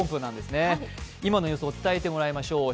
今の様子を伝えてもらいましょう。